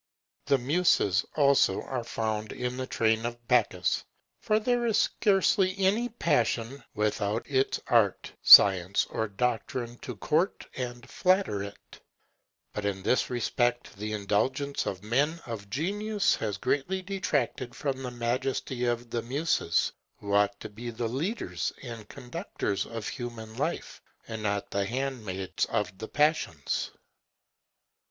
The Muses also are found in the train of Bacchus, for there is scarce any passion without its art, science, or doctrine to court and flatter it; but in this respect the indulgence of men of genius has greatly detracted from the majesty of the Muses, who ought to be the leaders and conductors of human life, and not the handmaids of the passions.